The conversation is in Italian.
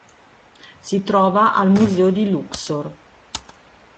Si trova al Museo di Luxor.